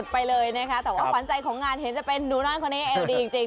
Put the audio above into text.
ไปเลยนะคะแต่ว่าขวัญใจของงานเห็นจะเป็นหนูน้อยคนนี้เอวดีจริง